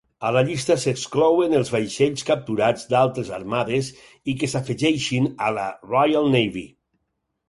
A la llista s'exclouen els vaixells capturats d'altres armades i que s'afegeixin a la Royal Navy.